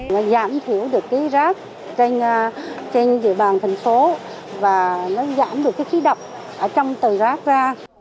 nó giảm thiểu được cái rác trên địa bàn thành phố và nó giảm được cái khí độc ở trong từ rác ra